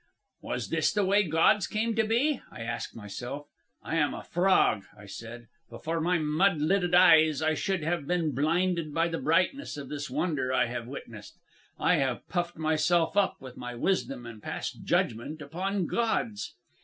'Was this the way gods came to be?' I asked myself. 'I am a frog,' I said. 'But for my mud lidded eyes I should have been blinded by the brightness of this wonder I have witnessed. I have puffed myself up with my wisdom and passed judgment upon gods.'